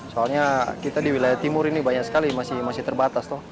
soalnya kita di wilayah timur ini banyak sekali masih terbatas tuh